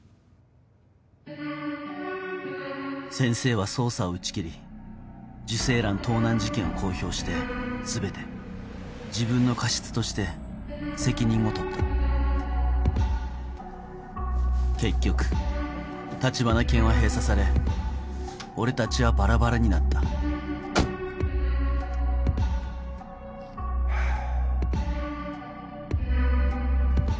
先生は捜査を打ち切り受精卵盗難事件を公表して全て自分の過失として責任を取った結局立花研は閉鎖され俺たちはバラバラになったはぁ。